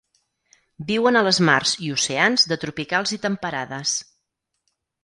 Viuen a les mars i oceans de tropicals i temperades.